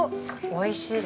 ◆おいしい。